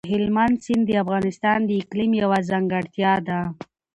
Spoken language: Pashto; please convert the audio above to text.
هلمند سیند د افغانستان د اقلیم یوه ځانګړتیا ده.